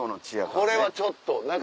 これはちょっと何か。